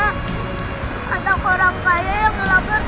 katanya dia sakit perut